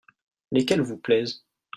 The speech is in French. Lesquelles vous plaisent ?